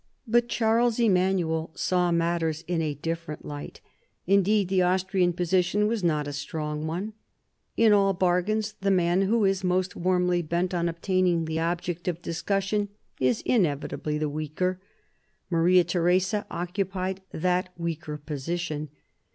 But Charles Emanuel saw matters in a different light. Indeed the Austrian position was not a strong one. In all bargains the man who is most warmly bent on obtaining the object of discussion is inevitably the weaker. Maria Theresa occupied that weaker position.